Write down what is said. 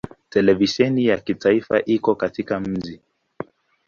Televisheni ya kitaifa iko katika mji.